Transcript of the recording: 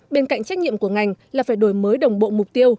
bên cạnh trách nhiệm của ngành là phải đổi mới đồng bộ mục tiêu